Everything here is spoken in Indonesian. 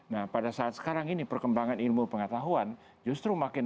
tujuh belas delapan belas nah pada saat sekarang ini perkembangan ilmu pengetahuan justru makin